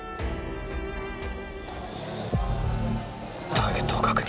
ターゲットを確認。